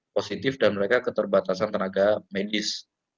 positif dan mereka keterbatasan tenaga medis